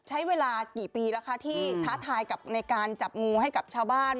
ใช้เวลากี่ปีแล้วคะที่ท้าทายกับในการจับงูให้กับชาวบ้าน